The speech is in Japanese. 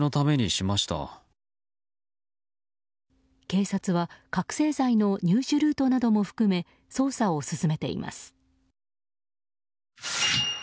警察は覚醒剤の入手ルートなども含め捜査を進めています。